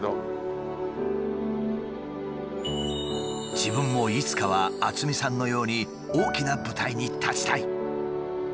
「自分もいつかは渥美さんのように大きな舞台に立ちたい」。